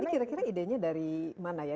ini kira kira idenya dari mana ya